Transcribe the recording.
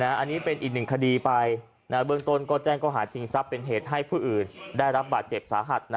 อันนี้เป็นอีกหนึ่งคดีไปเบื้องต้นก็แจ้งเขาหาชิงทรัพย์เป็นเหตุให้ผู้อื่นได้รับบาดเจ็บสาหัส